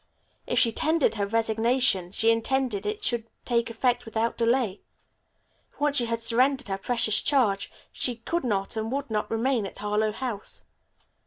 If she tendered her resignation she intended it should take effect without delay. Once she had surrendered her precious charge she could not and would not remain at Harlowe House.